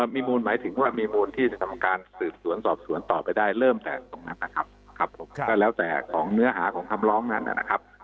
มีมูลหมายถึงว่ามีมูลที่จะทำการสืบสวนสอบสวนต่อไปได้เริ่มแต่ตรงนั้นนะครับผมก็แล้วแต่ของเนื้อหาของคำร้องนั้นนะครับ